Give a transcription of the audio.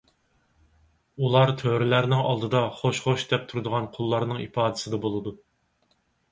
ئۇلار تۆرىلەرنىڭ ئالدىدا خوش ـ خوش دەپ تۇرىدىغان قۇللارنىڭ ئىپادىسىدە بولىدۇ.